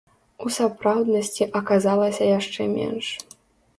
У сапраўднасці аказалася яшчэ менш.